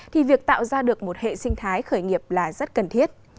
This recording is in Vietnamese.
thì việc tạo ra được một hệ sinh thái khởi nghiệp là rất cần thiết